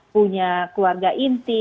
punya keluarga inti